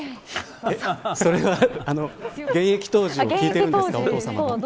それは現役当時を聞いてるんですか。